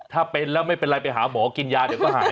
ถ้าเป็นแล้วไม่เป็นไรไปหาหมอกินยาเดี๋ยวก็หาย